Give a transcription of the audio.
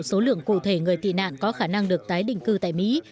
số lượng cụ thể người tị nạn có khả năng được tái định cư tại mỹ